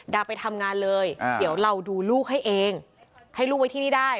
ไปทำงานเลยเดี๋ยวเราดูลูกให้เองให้ลูกไว้ที่นี่ได้